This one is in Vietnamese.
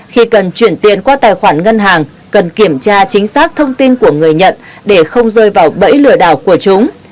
khi cần chuyển tiền qua tài khoản ngân hàng cần kiểm tra chính xác thông tin của người nhận để không rơi vào bẫy lừa đảo của chúng